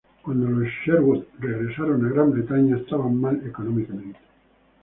Cuando los Sherwood regresaron a Gran Bretaña, estaban mal económicamente.